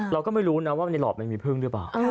เราก็ไม่รู้นะว่าในหลอดมันมีพึ่งหรือเปล่า